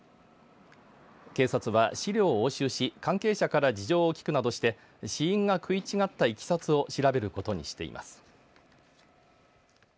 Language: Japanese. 警察は資料を押収し関係者から事情を聞くなどして死因が食い違ったいきさつを調べることにしています。